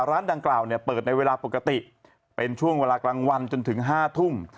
ร้านดังกล่าวเนี่ยเปิดในเวลาปกติเป็นช่วงเวลากลางวันจนถึง๕ทุ่ม